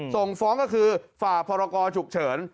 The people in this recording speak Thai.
ส่งฟ้องก็คือฝ่าพรกรฉุกเฉิน